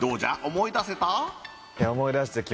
思い出せた？